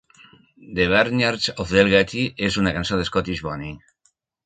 "The Barnyards of Delgaty" és una cançó d"Scottish Bothy.